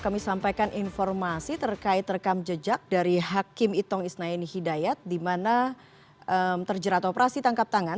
kami sampaikan informasi terkait rekam jejak dari hakim itong isnaini hidayat di mana terjerat operasi tangkap tangan